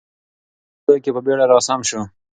هغه په خپل ځای کې په بیړه را سم شو.